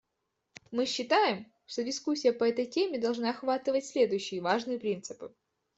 Мы считаем, что дискуссия по этой теме должна охватывать следующие важные принципы: